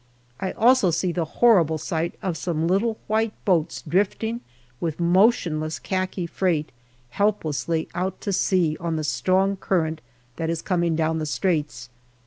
I also see the horrible sight of some little white boats drift ing, with motionless khaki freight, helplessly out to sea on the strong current that is coming down the Straits.